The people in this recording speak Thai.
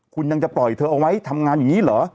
คุณยังจะปล่อยเธอเอาไว้ทำงานอย่างนี้เหรอ